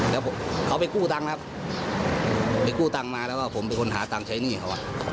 แล้วเขาไปกู้ตังค์ครับไปกู้ตังค์มาแล้วว่าผมเป็นคนหาตังค์ใช้หนี้เขา